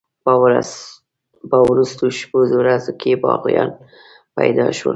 په وروستو شپو ورځو کې یاغیان پیدا شول.